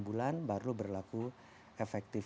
tiga bulan baru berlaku efektif